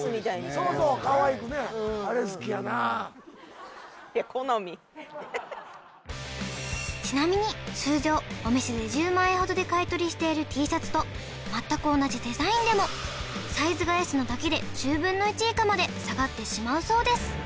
そうそうかわいくねちなみに通常お店で１０万円ほどで買い取りしているＴシャツと全く同じデザインでもサイズがＳなだけで１０分の１以下まで下がってしまうそうです